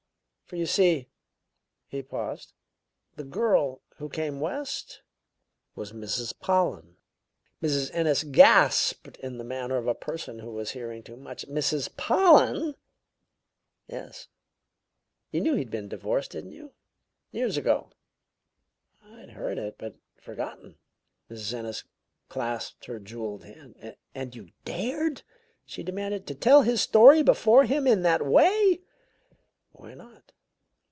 For, you see" he paused "the girl who came West was Mrs. Pollen." Mrs. Ennis gasped in the manner of a person who is hearing too much. "Mrs. Pollen?" "Yes. You knew he had been divorced, didn't you? Years ago." "I'd heard it, but forgotten." Mrs. Ennis clasped her jeweled hand. "And you dared," she demanded, "to tell his story before him in that way?" "Why not?